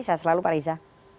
selalu saya pak reza